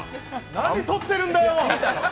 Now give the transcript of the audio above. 何撮ってるんだよ！